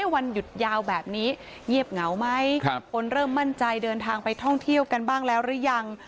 วันหยุดยาวแบบนี้เงียบเหงาไหมคนเริ่มมั่นใจเดินทางไปท่องเที่ยวกันบ้างแล้วหรือยัง